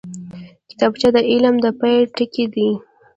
کتابچه د علم د پیل ټکی دی